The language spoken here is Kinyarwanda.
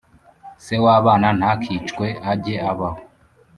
Se w abana ntakicwe ajye abaho